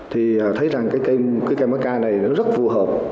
thì thấy rằng cái cây macca này nó rất phù hợp